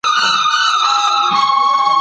ده پرده کش کړه او اسمان کې یې وریځې ولیدې.